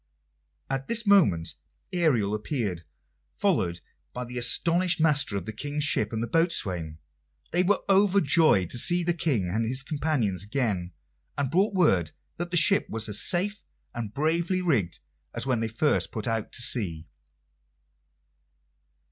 At this moment Ariel appeared, followed by the astonished master of the King's ship and the boatswain. They were overjoyed to see the King and his companions again, and brought word that the ship was as safe and bravely rigged as when they first put out to sea.